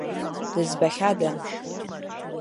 Дызбахьада?!